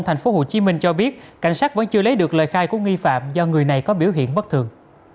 thành phố hồ chí minh cho biết cảnh sát vẫn chưa lấy được lời khai của nghi phạm do người này có biểu hiện bất thường